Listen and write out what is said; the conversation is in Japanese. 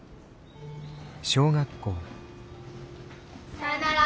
さようなら。